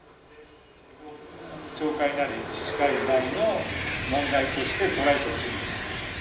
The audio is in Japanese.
町会なり自治会内の問題として捉えてほしいんです。